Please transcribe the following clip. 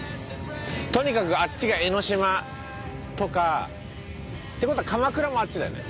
とにかくあっちが江の島とか。って事は鎌倉もあっちだよね？